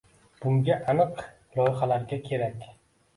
Bunga aniq loyihalarga kerak.